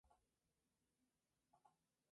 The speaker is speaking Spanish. La regencia de Biron duró exactamente tres meses.